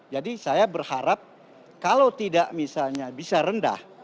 saya berharap kalau tidak misalnya bisa rendah